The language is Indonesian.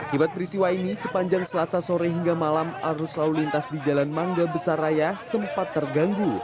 akibat peristiwa ini sepanjang selasa sore hingga malam arus lalu lintas di jalan mangga besar raya sempat terganggu